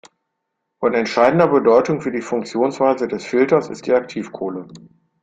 Von entscheidender Bedeutung für die Funktionsweise des Filters ist die Aktivkohle.